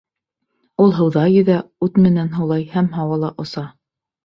Ул һыуҙа йөҙә, ут менән һулай һәм һауала оса.